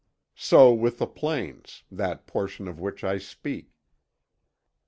So with the plains: that portion of which I speak.